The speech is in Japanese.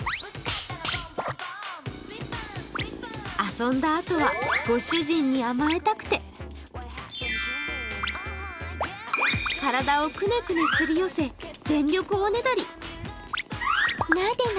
遊んだあとはご主人に甘えたくて体をクネクネすり寄せ、全力おねだり。